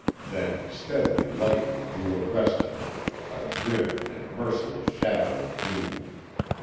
Then steadily Lightning drew abreast of him, a grim and merciless shadow of doom.